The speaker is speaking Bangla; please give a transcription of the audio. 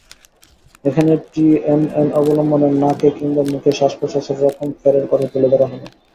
এখানে টিএনএন অবলম্বনে নাকে কিংবা মুখে শ্বাস-প্রশ্বাসের রকমফেরের কথা তুলে ধরা হলো।